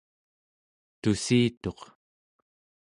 tussituq